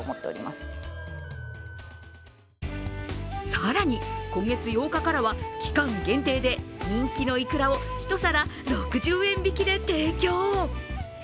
更に、今月８日からは期間限定で人気のいくらを一皿６０円引きで提供。